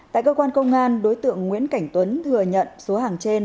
tại cơ quan công an đối tượng nguyễn cảnh tuấn thừa nhận số hàng trên